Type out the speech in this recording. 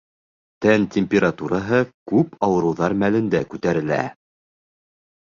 Тән температураһы күп ауырыуҙар мәлендә күтәрелә.